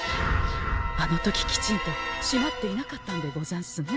あの時きちんと閉まっていなかったんでござんすね。